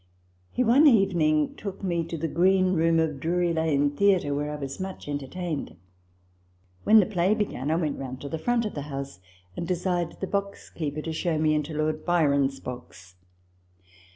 He one evening took me to the green room of Drury Lane Theatre, where I was much entertained. When the play began, I went round to the front of the house, and desired the box keeper to show me into Lord Byron's box.